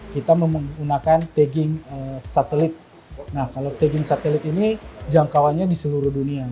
kita menggunakan tagging satelit nah kalau tagging satelit ini jangkauannya di seluruh dunia